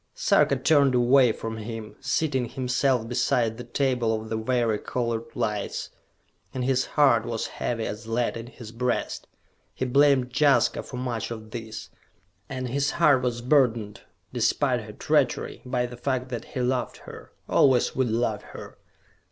Sarka turned away from him, seating himself beside the table of the vari colored lights, and his heart was heavy as lead in his breast. He blamed Jaska for much of this, and his heart was burdened, despite her treachery, by the fact that he loved her, always would love her.